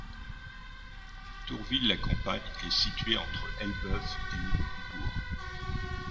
Tourville-la-Campagne est située entre Elbeuf et Le Neubourg.